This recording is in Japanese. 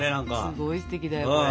すごいステキだよこれ。